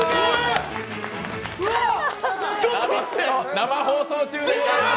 生放送中でございます。